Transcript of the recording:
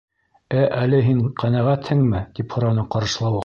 —Ә әле һин ҡәнәғәтһеңме? —тип һораны Ҡарышлауыҡ.